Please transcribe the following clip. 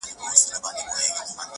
o پر اخوند ښوروا ډېره ده!